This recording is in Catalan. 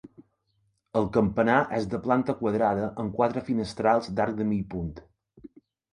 El campanar és de planta quadrada amb quatre finestrals d'arc de mig punt.